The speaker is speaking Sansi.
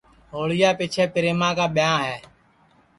ہوݪی پیچھیں پریما کا ٻیاں ہے